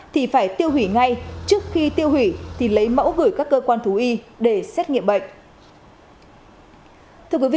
thì phải tiêu hủy ngay trước khi tiêu hủy thì lấy mẫu gửi các cơ quan thú y để xét nghiệm bệnh